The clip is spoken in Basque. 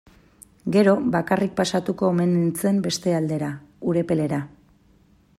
Gero, bakarrik pasatuko omen nintzen beste aldera, Urepelera.